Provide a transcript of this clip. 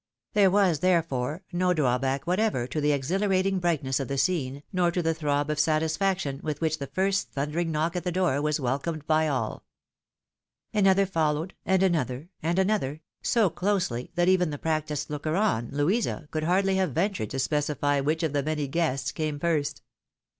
There was, therefore, no drawback whatever to the exhilarating brightness of the scene, nor to the throb of satisfac tion with which the first thundering knock at the door was welcomed by aU. Another followed, and another, and another, so closely that even the practised looker on, Louisa, could hardly have ventured to specify which of the many guests came first.